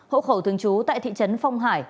hậu khẩu thương chú tại thị trấn phong hải